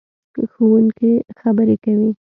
ښوونکې خبرې کوي.